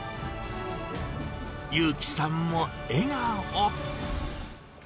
優樹さんも笑顔。